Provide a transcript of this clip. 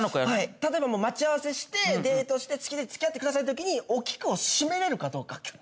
例えば待ち合わせしてデートして「好きですつきあってください」のときにお菊を閉められるかどうかキュッと。